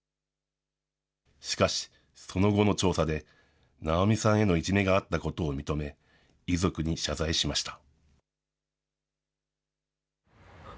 しかし、その後の調査で直美さんへのいじめがあったことを認め、遺族に謝罪しました。